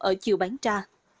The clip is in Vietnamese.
ở chiều bán ra